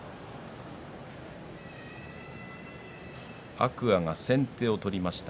天空海が先手を取りました。